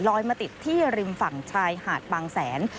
มาติดที่ริมฝั่งชายหาดบางแสน